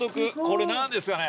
これ何ですかね？